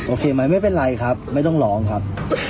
โอเคไหมไม่เป็นไรครับไม่ต้องร้องครับ